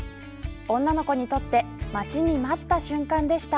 女の子にとって待ちに待った瞬間でした。